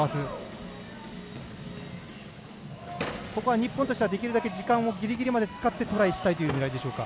日本としては、できるだけ時間をギリギリまで使ってトライしたいという狙いでしょうか。